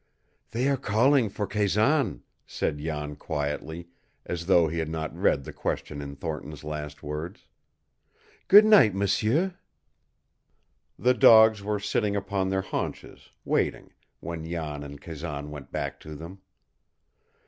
"They are calling for Kazan," said Jan quietly, as though he had not read the question in Thornton's last words. "Good night, m'sieur!" The dogs were sitting upon their haunches, waiting, when Jan and Kazan went back to them.